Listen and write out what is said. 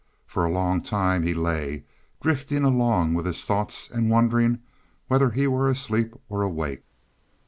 For a long time he lay, drifting along with his thoughts and wondering whether he were asleep or awake.